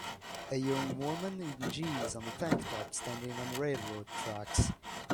A young woman in jeans and a tank top standing on railroad tracks.